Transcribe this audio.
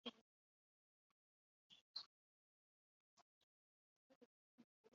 yari igendeye ku maserano yo guhabwa ingurane